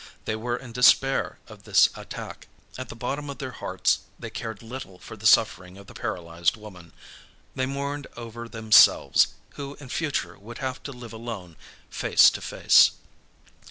They were in despair at this attack. At the bottom of their hearts, they cared little for the suffering of the paralysed woman. They mourned over themselves, who in future would have to live alone, face to face.